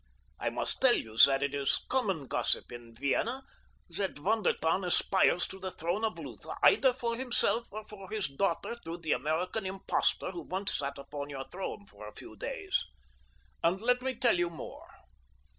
I must tell you that it is common gossip in Vienna that Von der Tann aspires to the throne of Lutha either for himself or for his daughter through the American impostor who once sat upon your throne for a few days. And let me tell you more.